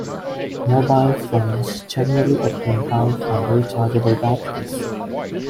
Mobile phones generally obtain power from rechargeable batteries.